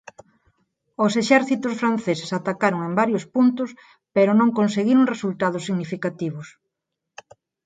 Os exércitos franceses atacaron en varios puntos pero non conseguiron resultados significativos.